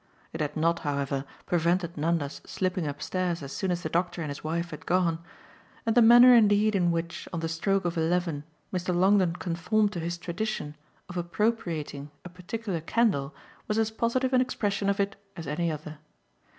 It had not, however, prevented Nanda's slipping upstairs as soon as the doctor and his wife had gone, and the manner indeed in which, on the stroke of eleven, Mr. Longdon conformed to his tradition of appropriating a particular candle was as positive an expression of it as any other.